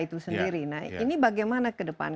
itu sendiri nah ini bagaimana ke depan